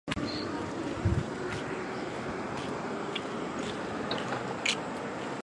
汽车公司本身短暂而动荡的历史也引人注目。